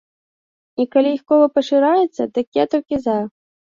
І калі іх кола пашыраецца, дык я толькі за.